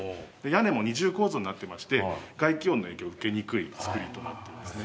屋根も二重構造になってまして外気温の影響を受けにくい造りとなってますね。